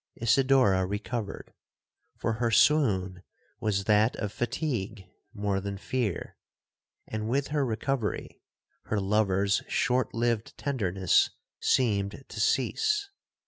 Isidora recovered; for her swoon was that of fatigue more than fear; and, with her recovery, her lover's short lived tenderness seemed to cease.